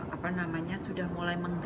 apa namanya sudah mulai